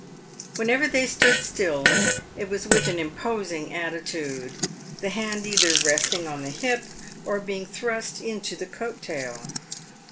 Whenever they stood still, it was with an imposing attitude, the hand either resting on the hip, or being thrust into the coat tail.